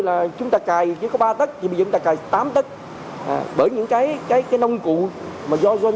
là chúng ta cài chỉ có ba tấc nhưng mà chúng ta cài tám tấc bởi những cái nông cụ mà do doanh